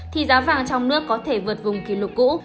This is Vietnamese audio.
thì giá vàng trong nước có thể vượt vùng kỷ lục cũ